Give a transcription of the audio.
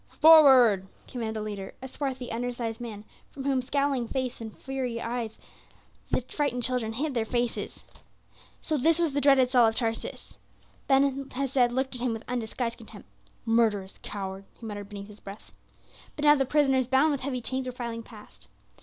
"Forward!" commanded the leader, a swarthy undersized man, from whose scowling face and fiery eyes the frightened children hid their faces. So this was the dreaded Saul of Tarsus. Ben Hesed looked at him with undisguised contempt. "Murderous coward!" he muttered beneath his breath. But now the prisoners, bound with heavy chains, were filing past.